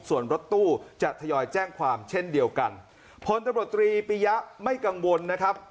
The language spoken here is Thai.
ส่วนรถตู้จะทยอยแจ้งความเช่นเดียวกันพลตำรวจตรีปียะไม่กังวลนะครับ